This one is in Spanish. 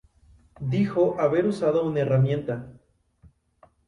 Dijo haber usado una herramienta.